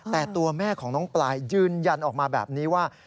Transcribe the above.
แต่ตัวแม่ของน้องปลายยืนยันออกมาแบบนี้ว่า